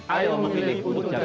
ayo memilih untuk jakarta